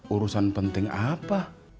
urusan penting apa